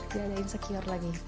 tidak ada insecure lagi